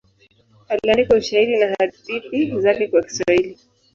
Aliandika ushairi na hadithi zake kwa Kiswahili.